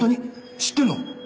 知ってんの！？